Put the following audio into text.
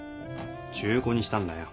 中古にしたんだよ